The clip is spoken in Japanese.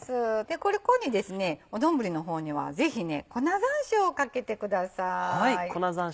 これ香にですね丼の方にはぜひ粉山椒をかけてください。